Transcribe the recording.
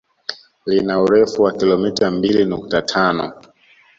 Lina urefu wa kilomita mbili nukta tano